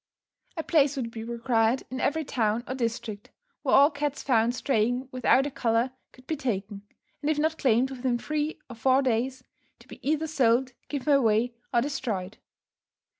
A place would be required in every town, or district, where all cats found straying without a collar could be taken, and if not claimed within three or four days, to be either sold, given away, or destroyed.